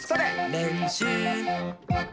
れんしゅう！